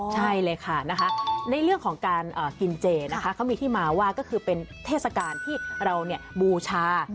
ใช่เลยค่ะนะคะในเรื่องของการกินเจนะคะเขามีที่มาว่าก็คือเป็นเทศกาลที่เราบูชา